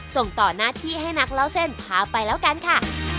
ส่งต่อหน้าที่ให้นักเล่าเส้นพาไปแล้วกันค่ะ